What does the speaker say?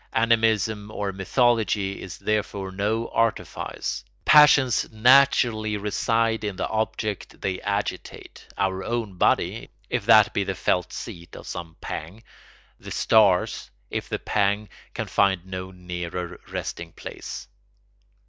Animism or mythology is therefore no artifice. Passions naturally reside in the object they agitate—our own body, if that be the felt seat of some pang, the stars, if the pang can find no nearer resting place.